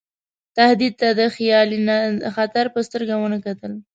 تهدید ته د خیالي خطر په سترګه ونه کتل.